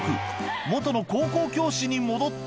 元の高校教師に戻った。